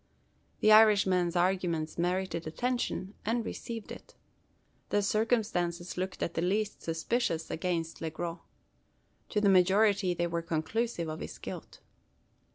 The Irishman's arguments merited attention; and received it. The circumstances looked at the least suspicious against Le Gros. To the majority they were conclusive of his guilt.